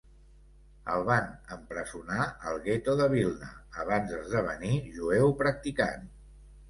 El van empresonar al Gueto de Vilna abans d'esdevenir jueu practicant.